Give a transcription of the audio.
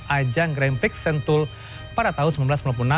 ajang grand prix sentul pada tahun seribu sembilan ratus sembilan puluh enam